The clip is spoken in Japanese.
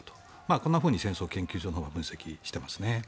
こんなふうに戦争研究所では分析していますね。